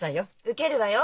受けるわよ。